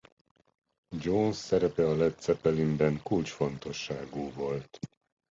Jones szerepe a Led Zeppelinben kulcsfontosságú volt.